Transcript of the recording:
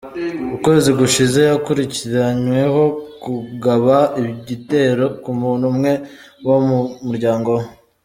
Ukwezi gushize, yakurikiranyweho kugaba igitero ku muntu umwe wo mu muryango we.